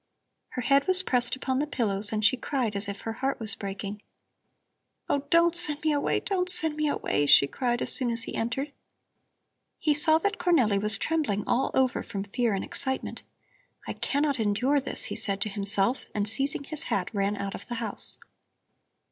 Her head was pressed into the pillows and she cried as if her heart was breaking. "Oh, don't send me away, don't send me away!" she cried as soon as he entered. He saw that Cornelli was trembling all over from fear and excitement. "I cannot endure this," he said to himself, and seizing his hat ran out of the house.